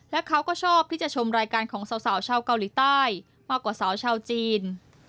และเขาก็ชอบที่จะชมรายการของสาวชาวเกาหลีใต้มากกว่าสาวชาวจีน